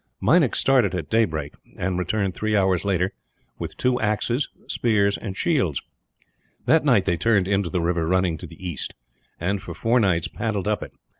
Meinik started at daybreak, and returned three hours later with two axes, spears, and shields. That night they turned into the river running to the east and, for four nights, paddled up it.